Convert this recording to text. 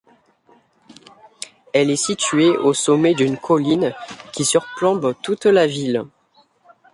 Elle est située au sommet d'une colline qui surplombe toute la ville.